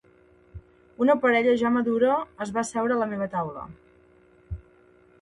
Una parella ja madura es va asseure a la meva taula